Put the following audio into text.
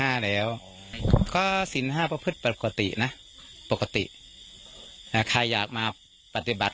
ถ้าสินห้าประพฤติปกตินะใครอยากมาปฏิบัติ